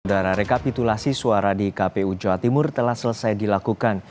rekapitulasi suara di kpu jawa timur telah selesai dilakukan